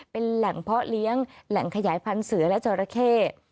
เป็นแหล่งเพาะเลี้ยงแหล่งขยายพันธุ์เสือและจราเข้